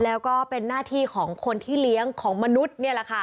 แล้วก็เป็นหน้าที่ของคนที่เลี้ยงของมนุษย์นี่แหละค่ะ